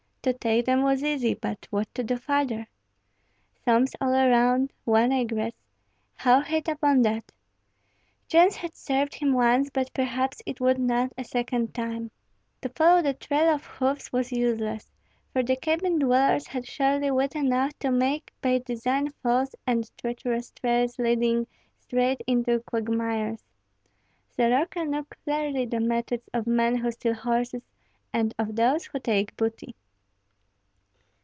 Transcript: To take them was easy, but what to do further. Swamps all around, one egress, how hit upon that? Chance had served him once, but perhaps it would not a second time. To follow the trail of hoofs was useless, for the cabin dwellers had surely wit enough to make by design false and treacherous trails leading straight into quagmires. Soroka knew clearly the methods of men who steal horses, and of those who take booty.